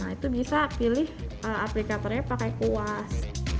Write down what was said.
itu bisa pilih aplikatornya pakai kuas